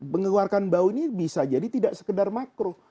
mengeluarkan bau ini bisa jadi tidak sekedar makro